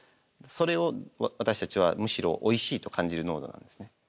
それを私たちはむしろおいしいと感じる濃度なんですね。